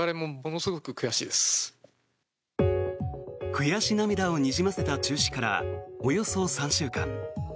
悔し涙をにじませた中止からおよそ３週間。